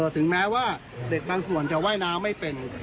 ถึงแม้ว่าเด็กบางส่วนจะว่ายน้ำไม่เป็น